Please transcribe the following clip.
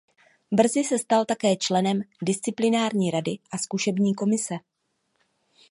Brzy se stal také členem disciplinární rady a zkušební komise.